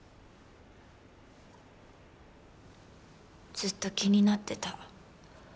ずっと気になってた。